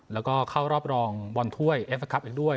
แล้วก็เข้ารอบรองบอลถ้วยเอฟนะครับอีกด้วย